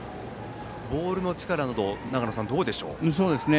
ボールの力など長野さん、どうでしょう？